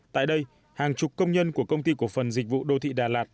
tại đây hàng chục công nhân của công ty cổ phần dịch vụ đô thị đà lạt